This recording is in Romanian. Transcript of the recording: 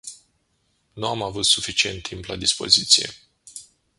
Nu am avut suficient timp la dispoziție.